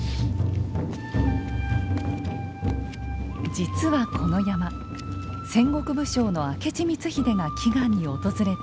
実はこの山戦国武将の明智光秀が祈願に訪れています。